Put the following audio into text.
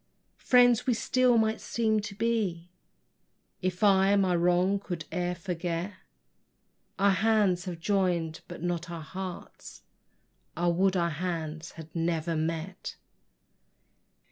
Friends, we still might seem to be, If I my wrong could e'er forget; Our hands have join'd but not our hearts: I would our hands had never met!